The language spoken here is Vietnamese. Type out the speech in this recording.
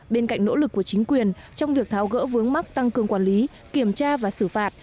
bên cạnh nỗ lực của chính quyền trong việc tháo gỡ vướng mắt tăng cường quản lý kiểm tra và xử phạt